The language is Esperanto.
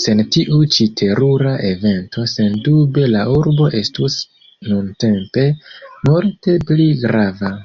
Sen tiu ĉi terura evento, sendube la urbo estus nuntempe multe pli grava.